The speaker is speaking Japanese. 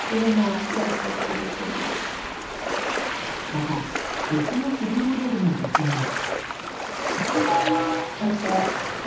また別のフリーモデルの女性も。